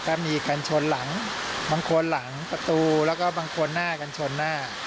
ก็มีกันชนหลังบางคนหลังประตูแล้วก็บางคนหน้ากันชนหน้า